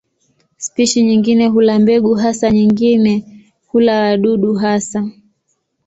Spishi nyingine hula mbegu hasa, nyingine hula wadudu hasa.